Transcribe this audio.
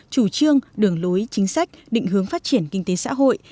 chủ trương đường lối chính sách định hướng phát triển kinh tế xã hội